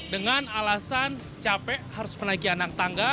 dengan alasan capek harus menaiki anak tangga